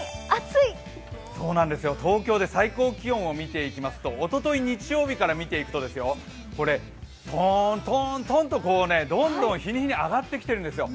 東京で最高気温を見ていきますとおととい日曜日から見ていくととんとんとんと、どんどん日に日に上がってきているんですよ。